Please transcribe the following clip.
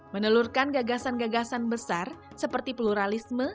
menelurkan gagasan gagasan besar seperti pluralisme